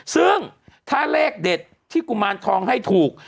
ซึ่งถ้าเลขเด็ดที่กุมารทองให้ถูก